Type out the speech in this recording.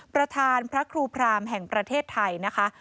ประธานพระครูพรามแห่งประเทศไทยนะคะ